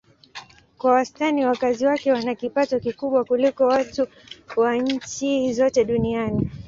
Kwa wastani wakazi wake wana kipato kikubwa kuliko watu wa nchi zote duniani.